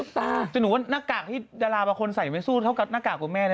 ดูสิจะหนูว่าหน้ากากที่ดาราบาคลใส่ไว้สู้เท่ากับหน้ากากคุณแม่เลย